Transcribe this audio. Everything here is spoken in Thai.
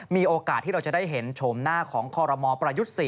มีโอกาสที่เราจะได้เห็นโฉมหน้าของคอรมอประยุทธ์๔